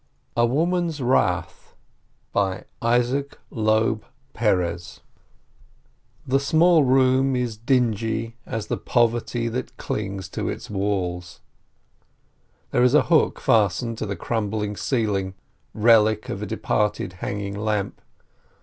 A WOMAN'S WRATH The small room is dingy as the poverty that clings to its walls. There is a hook fastened to the crumbling ceiling, relic of a departed hanging lamp.